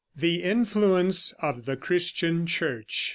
THE INFLUENCE OF THE CHRISTIAN CHURCH.